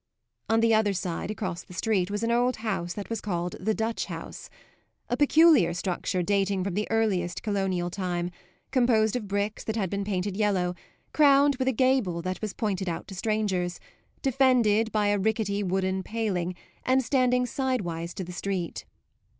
On the other side, across the street, was an old house that was called the Dutch House a peculiar structure dating from the earliest colonial time, composed of bricks that had been painted yellow, crowned with a gable that was pointed out to strangers, defended by a rickety wooden paling and standing sidewise to the street.